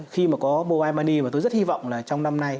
khi mà có mobile money mà tôi rất hy vọng là trong năm nay